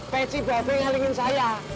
peci bebe ngaringin saya